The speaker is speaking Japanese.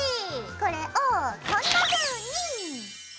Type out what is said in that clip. これをこんなふうに！